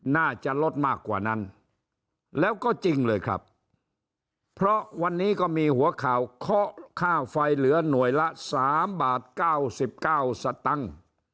น่าจะลดมากกว่านั้นแล้วก็จริงเลยครับเพราะวันนี้ก็มีหัวข่าวเคาะค่าไฟเหลือหน่วยละ๓บาท๙๙สตังค์